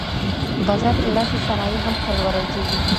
بازار کې لاسي صنایع هم پلورل کېږي.